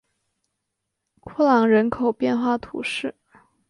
库朗人口变化图示